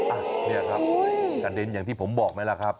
อ่ะเนี่ยครับกระเด็นอย่างที่ผมบอกไหมล่ะครับ